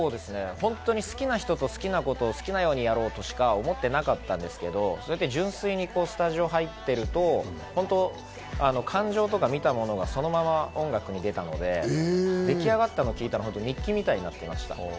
好きな人と好きなことを好きなようにやろうとしか思っていなかったんですけれども、純粋にスタジオに入っていると、感情とか見たものがそのまま音楽に出たので、出来上がったのを聞いたら日記みたいになっていました。